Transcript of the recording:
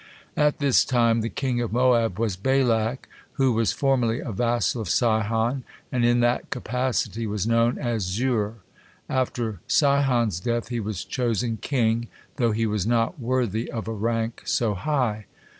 At this time the king of Moab was Balak, who was formerly a vassal of Sihon, and in that capacity was known as Zur. After Sihon's death he was chosen king, though he was not worthy of a rank so high.